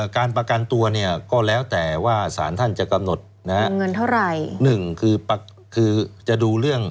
การประกันตัวก็แล้วแต่ว่าสารท่านจะกำหนด